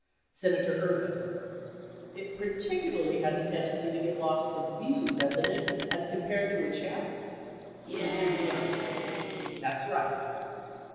Senator Ervin. It particularly has a tendency to get lost from view, doesn't it, as compared to a check? Mr. DeYoung. That's right.